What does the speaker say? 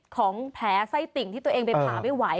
ของแผลไส้ติ่งที่ตัวเองไปผ่าไม่ไหว